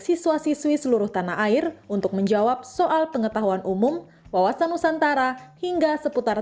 siswa siswi seluruh tanah air untuk menjawab soal pengetahuan umum wawasan nusantara hingga seputar